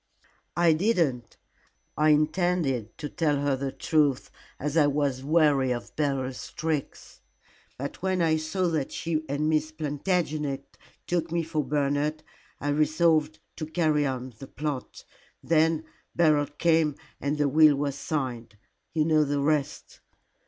"I didn't. I intended to tell her the truth, as I was weary of Beryl's tricks. But when I saw that she and Miss Plantagenet took me for Bernard, I resolved to carry on the plot. Then Beryl came and the will was signed. You know the rest."